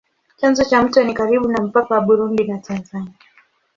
Chanzo cha mto ni karibu na mpaka wa Burundi na Tanzania.